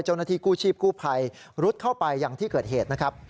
เจ้าหน้าที่กู้ชีพกู้ภัยรุดเข้าไปอย่างที่เกิดเหตุนะครับ